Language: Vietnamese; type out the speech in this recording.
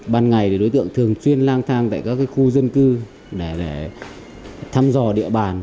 ban ngày thì đối tượng thường chuyên lang thang tại các khu dân cư để thăm dò địa bàn